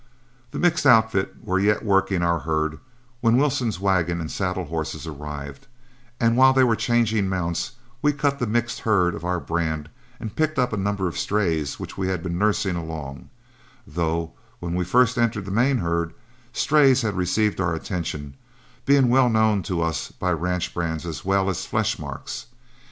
The mixed outfit were yet working our herd when Wilson's wagon and saddle horses arrived, and while they were changing mounts, we cut the mixed herd of our brand and picked up a number of strays which we had been nursing along, though when we first entered the main herd, strays had received our attention, being well known to us by ranch brands as well as flesh marks.